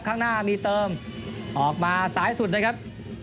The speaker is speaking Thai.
ข้างหน้ามีเติมออกมาซ้ายสุดเลยครับ